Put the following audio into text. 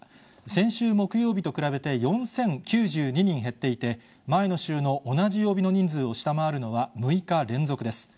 先週木曜日と比べて４０９２人減っていて、前の週の同じ曜日の人数を下回るのは６日連続です。